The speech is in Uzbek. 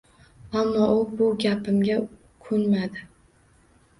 Ammo u bu gapimga ko`nmadi